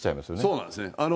そうなんですね。